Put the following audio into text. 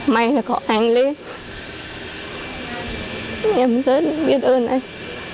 may là có anh lên em rất biết ơn anh